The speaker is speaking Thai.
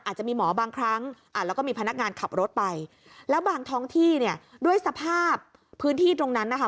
อาจจะมีหมอบางครั้งแล้วก็มีพนักงานขับรถไปแล้วบางท้องที่เนี่ยด้วยสภาพพื้นที่ตรงนั้นนะคะ